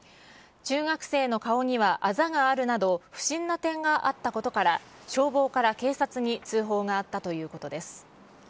中学生の顔にはあざがあるなど、不審な点があったことから、消防から警察に通報があったということです。